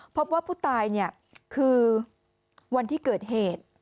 เพราะว่าผู้ตายเนี่ยคือวันที่เกิดเหตุ